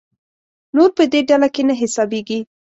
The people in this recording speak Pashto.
نور په دې ډله کې نه حسابېږي.